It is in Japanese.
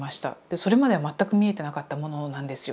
それまでは全く見えてなかったものなんですよ。